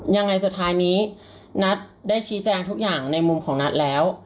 ยังไงสุดท้ายนี้นัทได้ชี้แจงทุกอย่างในมุมของนัทแล้ว